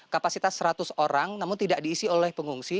kapasitas seratus orang namun tidak diisi oleh pengungsi